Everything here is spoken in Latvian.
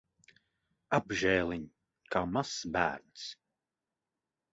Apžēliņ! Kā mazs bērns.